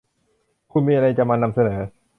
คุณมีอะไรจะมานำเสนอ